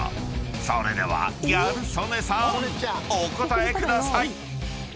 ［それではギャル曽根さんお答えください］